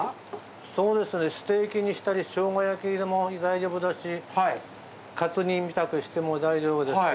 そうですねステーキにしたりしょうが焼きでも大丈夫だしカツ煮みたくしても大丈夫ですし。